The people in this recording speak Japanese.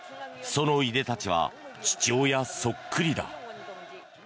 そのいでたちは父親そっくりだ。